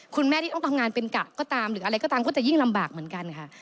คุณแม่ที่ต้องทำงานเป็นกะก็ตามหรืออะไรก็ตามก็จะยิ่งลำบากเหมือนกันค่ะ